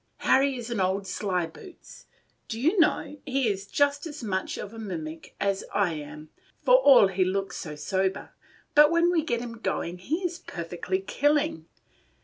"Harry is an old sly boots. Do you know, he is just as much of a mimic as I am, for all he looks so sober; but when we get him a going he is perfectly killing.